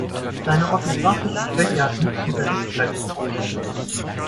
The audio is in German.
Deine orthografische Schwäche hat nichts mit der Rechtschreibreform zu tun.